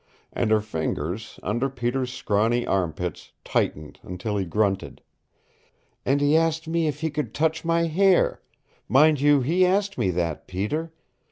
And her fingers, under Peter's scrawny armpits, tightened until he grunted. "And he asked me if he could touch my hair mind you he asked me that, Peter!